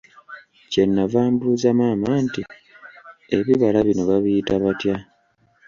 Kye nnava mbuuza maama nti, ebibala bino babiyita batya?